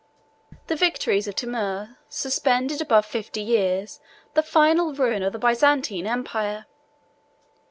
The victories of Timour suspended above fifty years the final ruin of the Byzantine empire.